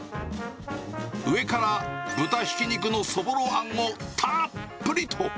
上から豚ひき肉のそぼろあんをたーっぷりと。